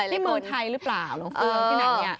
ที่เมืองไทยหรือเปล่าหรือที่ไหนเนี่ย